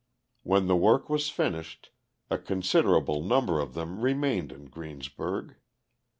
When the work was finished a considerable number of them remained in Greensburg.